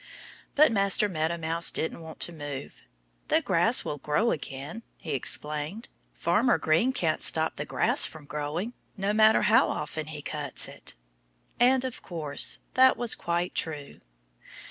But Master Meadow Mouse didn't want to move. "The grass will grow again," he explained. "Farmer Green can't stop the grass from growing, no matter how often he cuts it." And of course that was quite true.